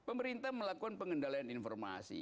pemerintah melakukan pengendalian informasi